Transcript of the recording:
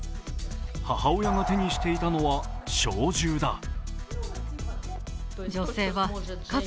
母親が手にしていたのは小銃だ。